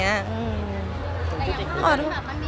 อย่างเขามันมีการ